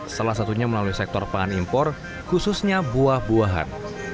salah satunya melalui sektor pangan impor khususnya buah buahan